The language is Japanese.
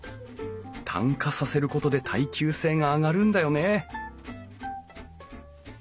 炭化させることで耐久性が上がるんだよね